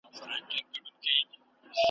له باران سره ملګري توند بادونه `